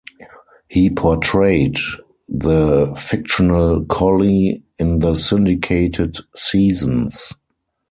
He portrayed the fictional collie in the syndicated seasons.